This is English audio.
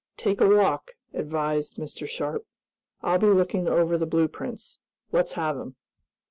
"Take a walk around," advised Mr. Sharp. "I'll be looking over the blue prints. Let's have 'em."